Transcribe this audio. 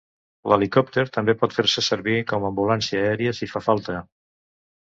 L'helicòpter també pot fer-se servir com a ambulància aèria si fa falta.